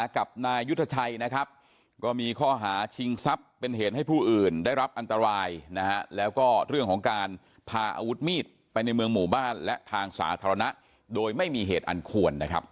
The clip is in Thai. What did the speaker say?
ขับที่นี่ก็นานแล้ว